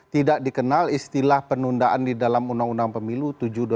tidak dikenal istilah penundaan di dalam undang undang pemilu tujuh dua ribu sembilan belas